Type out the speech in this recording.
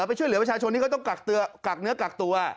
ไปช่วยเหลือประชาชนที่ก็ต้องกักเนื้อกักตัว